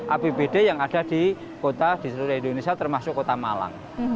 apbd yang ada di seluruh indonesia termasuk kota malang